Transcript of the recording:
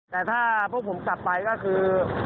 แต่ถ้าพวกผมกลับไปก็คือ